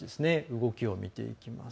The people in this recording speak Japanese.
動きを見ていきます。